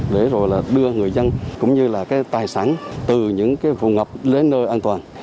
để rồi là đưa người dân cũng như là cái tài sản từ những cái vùng ngập đến nơi an toàn